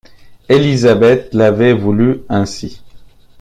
Élisabeth l’avait voulu ainsi.